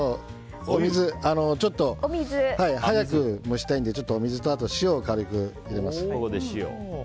ちょっと早く蒸したいのでお水とあと、塩を軽く入れます。